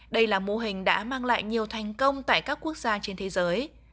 đây là mô hình đã mang lại nhiều thành công tại các quốc gia trên thế giới